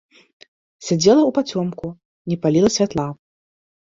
Сядзела ўпацёмку, не паліла святла.